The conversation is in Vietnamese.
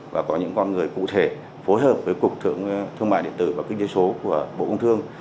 và có những con người cụ thể phối hợp với cục thương mại điện tử và kinh tế số của bộ công thương